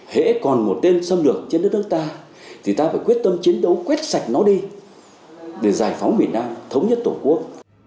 hé còn một tên xâm lược trên đất nước ta thì ta phải quyết tâm chiến đấu quét sạch nó đi để giải phóng miền nam thống nhất tổ quốc